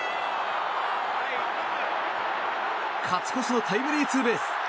勝ち越しのタイムリーツーベース！